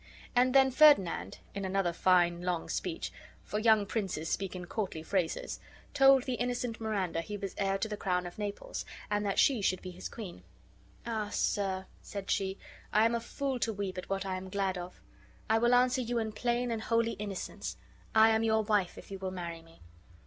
And then Ferdinand, in another fine long speech (for young princes speak in courtly phrases), told the innocent Miranda he was heir to the crown of Naples, and that she should be his queen. "Ah! sir," said she, "I am a fool to weep at what I am glad of. I will answer you in plain and holy innocence. I am your wife if you will marry me."